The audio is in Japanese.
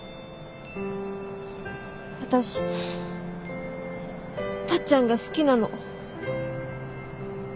私タッちゃんが好きなの。